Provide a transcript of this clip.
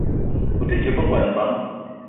O te dje be ngon bang ?